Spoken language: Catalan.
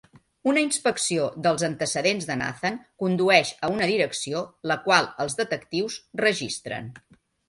Una inspecció dels antecedents de Nathan condueix a una direcció, la qual els detectius registren.